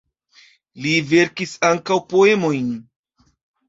Li verkis ankaŭ poemojn.